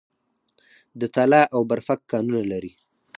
د تاله او برفک کانونه لري